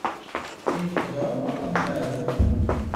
Inṭeq-d Ɛumeṛ At Maɛtuq.